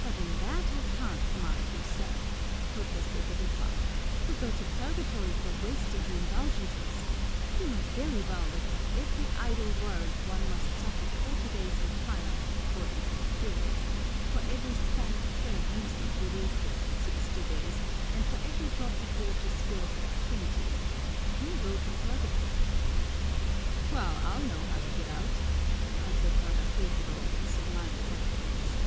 "But in that I can't commend you, sir," protested Rufa. "You'll go to purgatory for wasting the indulgences. You know very well that for every idle word one must suffer forty days in fire, according to the curate; for every span of thread uselessly wasted, sixty days; and for every drop of water spilled, twenty. You'll go to purgatory." "Well, I'll know how to get out," answered Brother Pedro with sublime confidence.